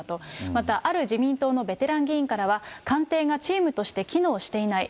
また、ある自民党のベテラン議員からは、官邸がチームとして機能していない。